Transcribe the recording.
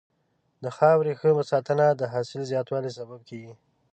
د خاورې ښه ساتنه د حاصل زیاتوالي سبب کېږي.